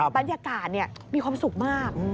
บรรยากาศมีความสุขมาก